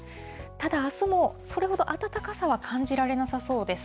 ただ、あすもそれほど暖かさは感じられなさそうです。